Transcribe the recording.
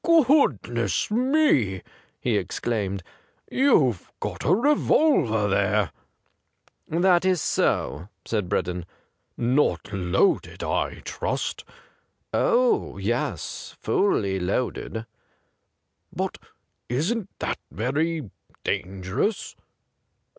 ' Goodness me !' he exclaimed, 'you've got a revolver there.' 175 THE GRAY CAT ' That is so/ said Breddon. ' Not loaded, I trust ?*' Oh yes, fully loaded.' ' But isn't that very dangerous